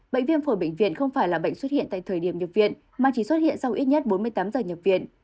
bệnh viêm phổi bệnh viện không phải là bệnh xuất hiện tại thời điểm nhập viện mà chỉ xuất hiện sau ít nhất bốn mươi tám giờ nhập viện